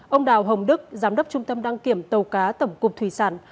ông đào hồng đức giám đốc trung tâm đăng kiểm tàu cá tổng cục thủy sản